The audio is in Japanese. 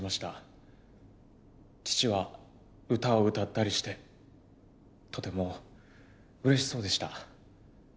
父は歌を歌ったりしてとてもうれしそうでした。